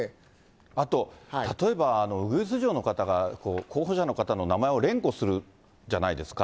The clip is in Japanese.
あと、例えばウグイス嬢の方が、候補者の方の名前を連呼するじゃないですか。